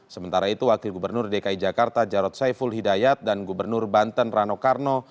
sementara itu wakil gubernur dki jakarta jarod saiful hidayat dan gubernur banten rano karno